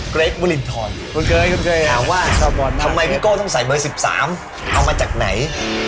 เกรทวรินทรคุณเคยคุณเคยถามว่าทำไมพี่โก้ต้องใส่เบอร์๑๓เอามาจากไหน